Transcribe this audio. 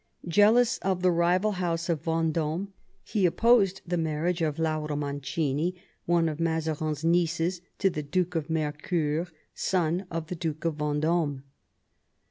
Jealous of the rival house of Venddme, he opposed the marriage of Laura Mancini, one of Mazarin's nieces, to the Duke of Mercoeur, son of the Duke of Venddme.